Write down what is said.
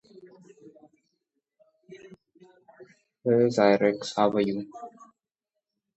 The investment in Trema, a French company, has been exited.